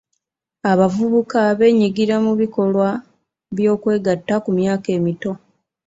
Abavubuka beenyigira mu bikolwa by'okwegatta ku myaka emito.